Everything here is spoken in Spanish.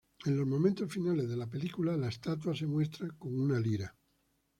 En los momentos finales de la película la estatua se muestra con una lira.